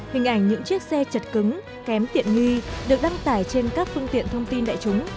hình ảnh những chiếc xe chật cứng kém tiện nghi được đăng tải trên các phương tiện thông tin đại chúng